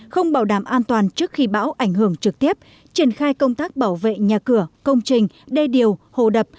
không bảo đảm an toàn trước khi bão ảnh hưởng trực tiếp triển khai công tác bảo vệ nhà cửa công trình đê điều hồ đập